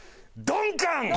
ドンカン。